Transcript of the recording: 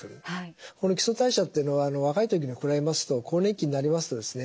この基礎代謝っていうのは若い時に比べますと更年期になりますとですね